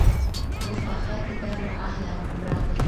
اوس په ښار كي دا نااهله حكمران دئ